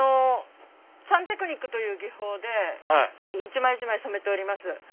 サンテクニックという技法で一枚一枚染めております。